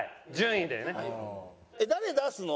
誰出すの？